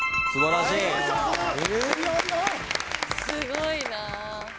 すごいな。